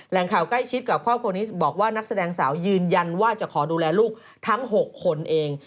ข่าวใกล้ชิดกับครอบครัวนี้บอกว่านักแสดงสาวยืนยันว่าจะขอดูแลลูกทั้ง๖คนเอง